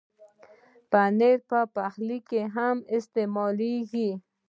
پنېر په پخلي کې هم استعمالېږي.